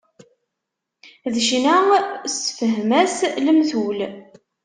D ccna, sefhem-as lemtul.